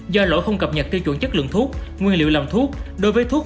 do lỗi không cập nhật tiêu chuẩn chất lượng thuốc nguyên liệu làm thuốc đối với thuốc